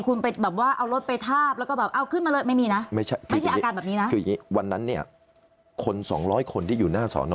คุณแบบว่าเอารถไปทาบแล้วก็แบบเอาขึ้นมาเลยไม่มีนะ